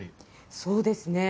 そうですね。